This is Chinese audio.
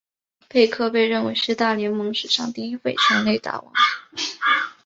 贝克被认为是大联盟史上第一位全垒打王。